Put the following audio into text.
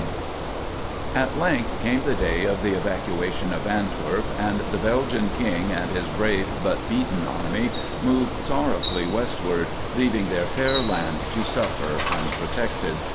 IV At length came the day of the evacuation of Antwerp, and the Belgian king and his brave but beaten army moved sorrowfully westward, leaving their fair land to suffer unprotected.